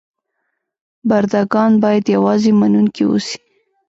برده ګان باید یوازې منونکي اوسي.